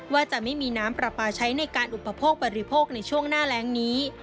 ว่าจะไม่มีน้ำปลาปลาใช้ในการอุปโภคบริโภคในช่วงหน้าแรงนี้